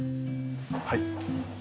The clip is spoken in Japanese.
はい。